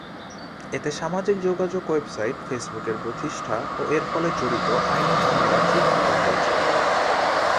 এতে সামাজিক যোগাযোগ ওয়েবসাইট ফেসবুকের প্রতিষ্ঠা ও এর ফলে জড়িত আইনি ঝামেলা চিত্রিত হয়েছে।